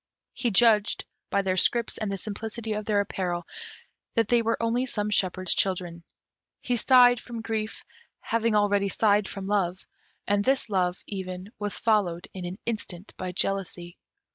He judged, by their scrips and the simplicity of their apparel, that they were only some shepherd's children. He sighed from grief, having already sighed from love, and this love, even, was followed in an instant by jealousy.